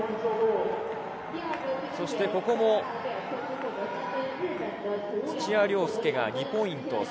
そしてここも、土屋良輔が２ポイント。